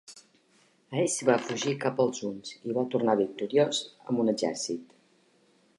Aeci va fugir cap als huns i va tornar victoriós amb un exèrcit.